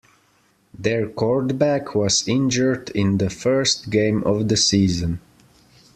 Their quarterback was injured in the first game of the season.